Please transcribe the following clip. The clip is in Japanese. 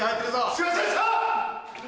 すいませんでした！